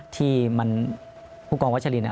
ที่มันผู้กองวัตเชอร์อิน